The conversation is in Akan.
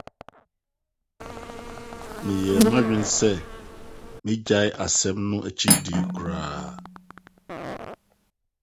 meyɛɛ m’adwene sɛ megyae asɛm no akyi di koraa.